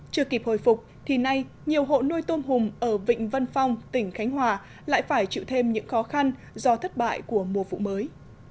chưa kịp hồi phục thì nay nhiều hộ nuôi tôm hùm ở vịnh vân phong tỉnh khánh hòa lại phải chịu thêm những khó khăn do thất bại của mùa vụ mới